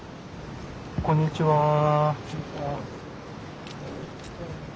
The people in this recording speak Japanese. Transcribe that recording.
こんにちは。